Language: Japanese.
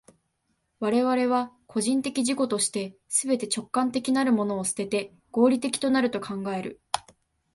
我々は個人的自己として、すべて直観的なるものを棄てて、合理的となると考える。